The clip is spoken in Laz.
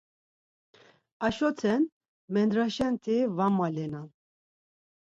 Aşoten mendraşenti va malenan.